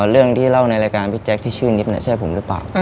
เรื่องที่เล่าในรายการพี่แจ๊คที่ชื่อนิดใช่ผมหรือเปล่า